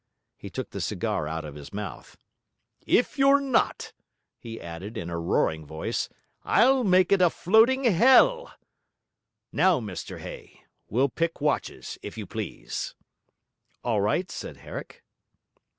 He took the cigar out of his mouth. 'If you're not,' he added, in a roaring voice, 'I'll make it a floating hell. Now, Mr Hay, we'll pick watches, if you please.' 'All right,' said Herrick.